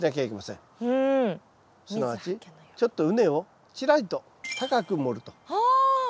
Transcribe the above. すなわちちょっと畝をちらりと高く盛ると。